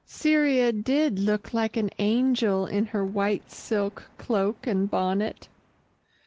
Cyria did look like an angel in her white silk cloak and bonnet."